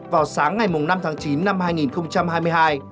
vào sáng ngày năm tháng chín năm hai nghìn hai mươi hai